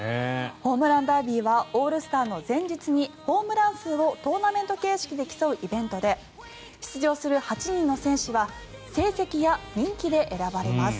ホームランダービーはオールスターの前日にホームラン数をトーナメント形式で競うイベントで出場する８人の選手は成績や人気で選ばれます。